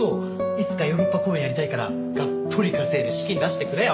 いつかヨーロッパ公演やりたいからがっぽり稼いで資金出してくれよ。